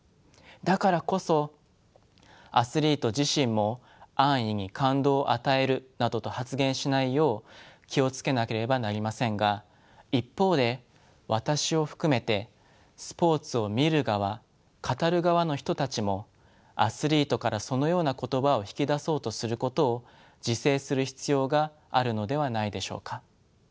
だからこそアスリート自身も安易に「感動を与える」などと発言しないよう気を付けなければなりませんが一方で私を含めてスポーツを「見る側」「語る側」の人たちもアスリートからそのような言葉を引き出そうとすることを自制する必要があるのではないでしょうか。